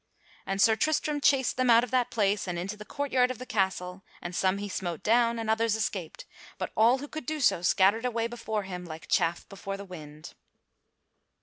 And Sir Tristram chased them out of that place and into the courtyard of the castle, and some he smote down and others escaped; but all who could do so scattered away before him like chaff before the wind.